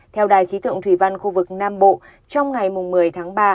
theo đài khí tượng thủy văn khu vực nam bộ trong ngày một mươi tháng ba